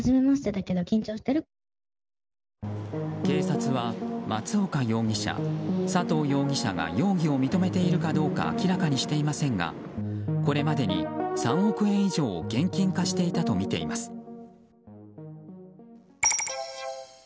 警察は松岡容疑者佐藤容疑者が容疑を認めているかどうか明らかにしていませんがこれまでに３億円以上を現金化していたとみています。